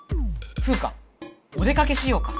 フウカお出かけしようか。